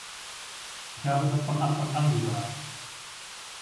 Ich habe das von Anfang an gesagt.